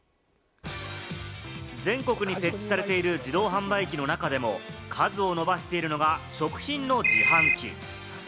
全国に設置されている自動販売機の中でも数を伸ばしているのが、食品の自販機。